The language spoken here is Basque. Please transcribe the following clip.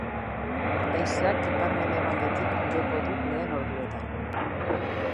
Haizeak ipar-mendebaldetik joko du lehen orduetan.